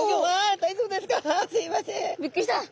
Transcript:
すいません。